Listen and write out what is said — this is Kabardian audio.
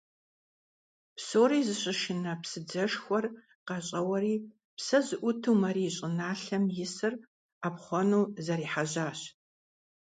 Псори зыщышынэ псыдзэшхуэр къащӀэуэри псэ зыӀуту Марий щӀыналъэм исыр Ӏэпхъуэну зэрехьэжьащ.